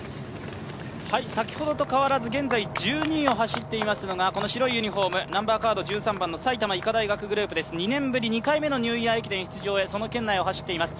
先ほどと変わらず現在１２位を走っていますのが白いユニフォーム、１３番の埼玉医科大学グループです、２年ぶり２回目のニューイヤー駅伝出場へその圏内を走っています。